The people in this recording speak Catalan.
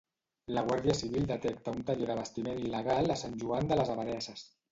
La Guàrdia Civil detecta un taller d'abastiment il·legal a Sant Joan de les Abadesses.